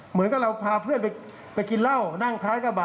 เหมือนกับเราพาเพื่อนไปกินเหล้านั่งท้ายกระบะ